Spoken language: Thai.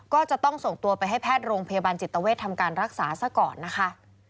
ก็จะต้องส่งตัวไปให้แพทย์โรงพยาบาลจิตเวททำการรักษาซะก่อนนะคะ